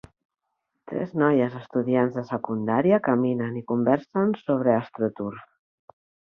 Tres noies estudiants de secundària caminen i conversen sobre AstroTurf.